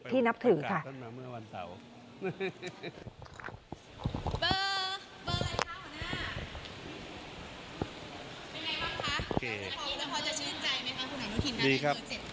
ท่านบุคคลาสมัคร